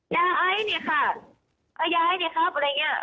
ยาไอนี่ยาไอนี่ค่ะยาไอนี่ครับอะไรอย่างนี้